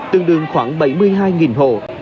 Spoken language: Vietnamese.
tương đương khoảng bảy mươi hai hộ